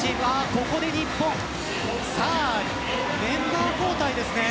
ここで日本メンバー交代です。